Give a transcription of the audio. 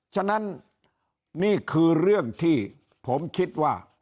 ฉะนั้นนี่คือเรื่องที่ผมคิดว่า